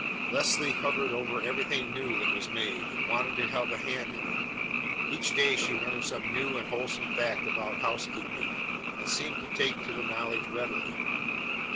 Leslie hovered over everything new that was made, and wanted to have a hand in it. Each day she learned some new and wholesome fact about housekeeping, and seemed to take to the knowledge readily.